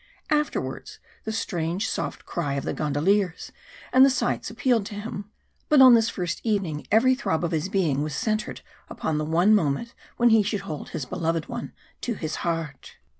Afterwards the strange soft cry of the gondoliers and the sights appealed to him; but on this first evening every throb of his being was centred upon the one moment when he should hold his beloved one to his heart.